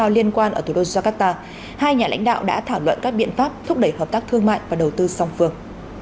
liên quan ở thủ đô jakarta hai nhà lãnh đạo đã thảo luận các biện pháp thúc đẩy hợp tác thương mại và đầu tư song phương